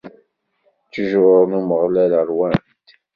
Ttjur n Umeɣlal ṛwant.